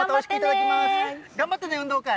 頑張ってね、運動会。